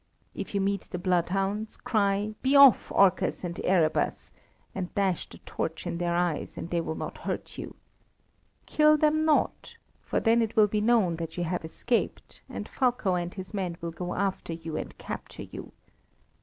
If you meet the bloodhounds cry: 'Be off, Orcus and Erebus,' and dash the torch in their eyes, and they will not hurt you. Kill them not, for then it will be known that you have escaped, and Fulko and his men will go after you and capture you.